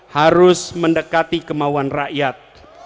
harus mendekati kemauan rakyat